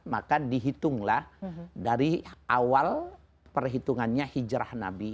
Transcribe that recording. maka dihitunglah dari awal perhitungannya hijrah nabi